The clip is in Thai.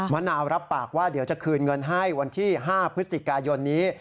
มะนาวรับปากว่าเดี๋ยวจะคืนเงินให้วันที่๕พฤศจิกายนนี้